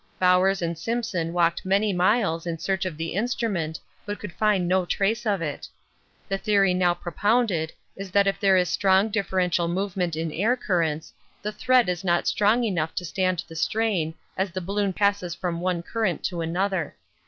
Bowers and Simpson walked many miles in search of the instrument, but could find no trace of it. The theory now propounded is that if there is strong differential movement in air currents, the thread is not strong enough to stand the strain as the balloon passes from one current to another.